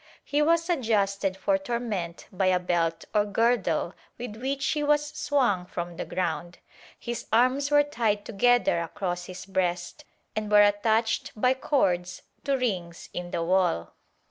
He was adjusted for torment by a belt or girdle with which he was swung from the ground; his arms were tied together across his breast and were attached by cords to rings in the wall.